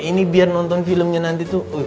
ini biar nonton filmnya nanti tuh